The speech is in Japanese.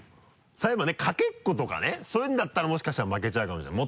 例えばねかけっことかねそういうのだったらもしかしたら負けちゃうかもしれない。